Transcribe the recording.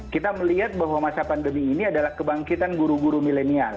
kita melihat bahwa masa pandemi ini adalah kebangkitan guru guru milenial